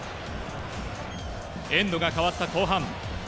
エンドが変わった後半。